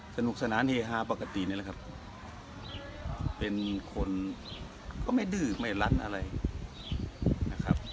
สนุกสนานเฮฮาปกตินี่แหละครับเป็นคนก็ไม่ดื้อไม่รัดอะไรนะครับ